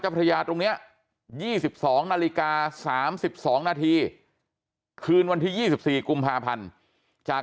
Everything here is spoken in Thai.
พระยาตรงนี้๒๒นาฬิกา๓๒นาทีคืนวันที่๒๔กุมภาพันธ์จาก